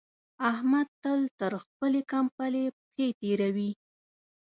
احمد تل تر خپلې کمبلې پښې تېروي.